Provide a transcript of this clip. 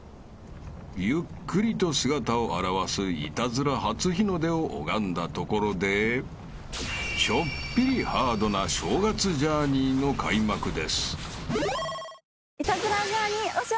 ［ゆっくりと姿を現すイタズラ初日の出を拝んだところでちょっぴりハードな正月×ジャーニーの開幕です］